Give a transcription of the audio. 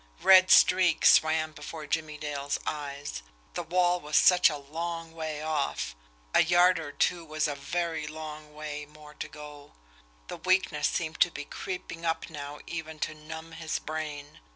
Red streaks swam before Jimmie Dale's eyes. The wall was such a long way off a yard or two was a very long way more to go the weakness seemed to be creeping up now even to numb his brain.